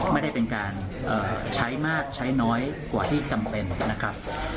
ไม่ได้เป็นการใช้มากใช้น้อยกว่าที่จำเป็นนะครับ